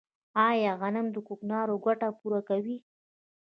آیا غنم د کوکنارو ګټه پوره کوي؟